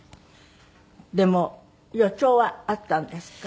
でも予兆はあったんですか？